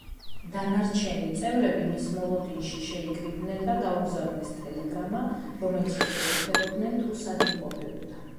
დანარჩენი წევრები მის მოლოდინში შეიკრიბნენ და გაუგზავნეს ტელეგრამა, რომელშიც ეკითხებოდნენ, თუ სად იმყოფებოდა.